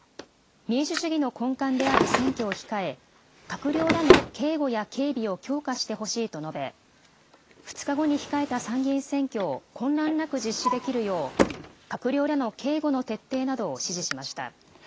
民主主義の根幹である選挙を控え、閣僚らの警護や警備を強化してほしいと述べ、２日後に控えた参議院選挙を混乱なく実施できるよう、閣僚らの警護の徹底などを指示しました。